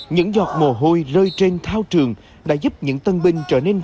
những giọt mồ hôi rơi trên thao trường đã giúp những tân binh trở nên mạnh mẽ